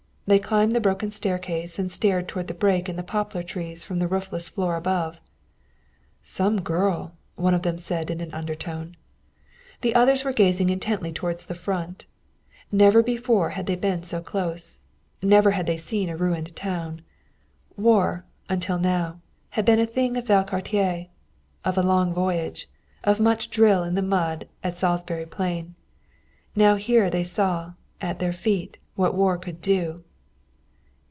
They climbed the broken staircase and stared toward the break in the poplar trees, from the roofless floor above. "Some girl!" one of them said in an undertone. The others were gazing intently toward the Front. Never before had they been so close. Never had they seen a ruined town. War, until now, had been a thing of Valcartier, of a long voyage, of much drill in the mud at Salisbury Plain. Now here they saw, at their feet, what war could do.